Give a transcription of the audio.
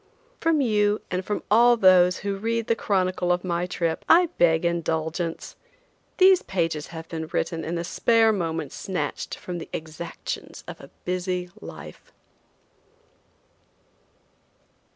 From you and from all those who read the chronicle of my trip I beg indulgence. These pages have been written in the spare moments snatched from the exactions of a busy life.